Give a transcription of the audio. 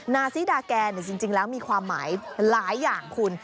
นาซิดาแกจริงแล้วมีความหมายหลายอย่างคุณ